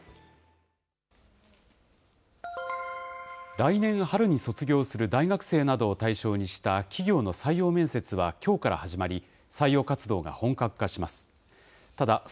来年春に卒業する大学生などを対象にした企業の採用面接はきょうから始まり、採用活動が本格化します。